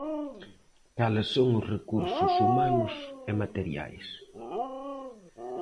¿Cales son os recursos, humanos e materiais?